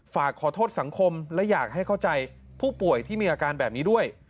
ฝากขอโทษสังคมและอยากให้เข้าใจผู้ป่วยที่มีอาการแบบนี้ด้วย